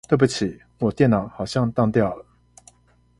對不起我電腦好像當掉了